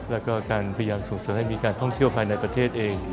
แล้วก็การพยายามส่งเสริมให้มีการท่องเที่ยวภายในประเทศเอง